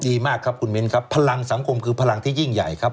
ดีมากครับคุณมิ้นครับพลังสังคมคือพลังที่ยิ่งใหญ่ครับ